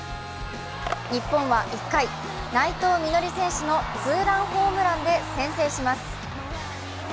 日本は１回、内藤実穂選手のツーランホームランで先制します。